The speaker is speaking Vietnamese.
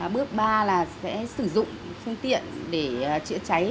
bước ba là sẽ sử dụng phương tiện để chữa cháy